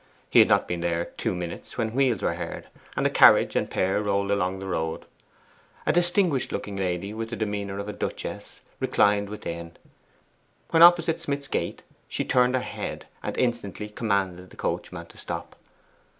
He had not been there two minutes when wheels were heard, and a carriage and pair rolled along the road. A distinguished looking lady, with the demeanour of a duchess, reclined within. When opposite Smith's gate she turned her head, and instantly commanded the coachman to stop.